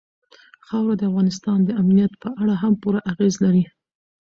خاوره د افغانستان د امنیت په اړه هم پوره اغېز لري.